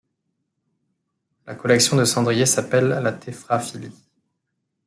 La collection de cendriers s'appelle la téphraphilie.